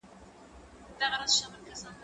زه بايد ليکنه وکړم!!